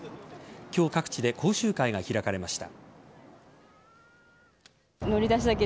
今日、各地で講習会が開かれました。